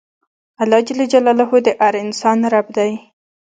اللهﷻ د هر انسان رب دی.